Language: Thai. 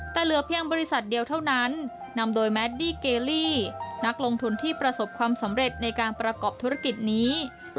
แต่เหลือเพียงบริษัทเดียวเท่านั้นนำโดยแมดดี้เกลี่นักลงทุนที่ประสบความสำเร็จในการประกอบธุรกิจนี้